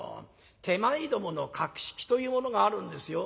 手前どもの格式というものがあるんですよ。